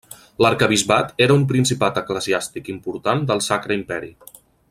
L'arquebisbat era un principat eclesiàstic important del Sacre Imperi.